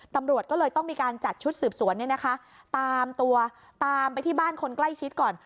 ตำรวจก็เลยต้องมีการจัดชุดสืบสวนเนี่ยนะคะตามตัวตามไปที่บ้านคนใกล้ชิดก่อน